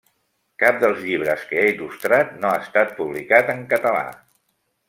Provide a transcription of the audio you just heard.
Cap dels llibres que ha il·lustrat no ha estat publicat en català.